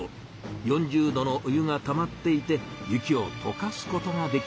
４０℃のお湯がたまっていて雪を溶かすことができるんです。